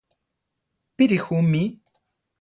Píri ju mí?